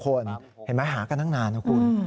เห็นไหมหากันตั้งนานนะครับคุณ